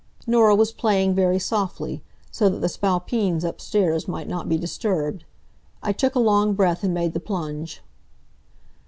Norah was playing very softly, so that the Spalpeens upstairs might not be disturbed. I took a long breath and made the plunge.